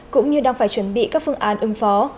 cũng như đang phải chuẩn bị các phương án ứng phó